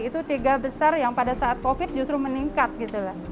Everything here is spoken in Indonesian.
itu tiga besar yang pada saat covid justru meningkat gitu lah